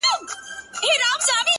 و تاسو ته يې سپين مخ لارښوونکی. د ژوند.